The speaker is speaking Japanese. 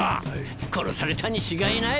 殺されたに違いない！